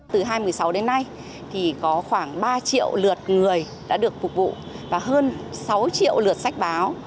từ hai nghìn một mươi sáu đến nay thì có khoảng ba triệu lượt người đã được phục vụ và hơn sáu triệu lượt sách báo